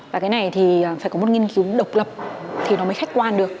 và cái này thì phải có một nghiên cứu độc lập thì nó mới khách quan được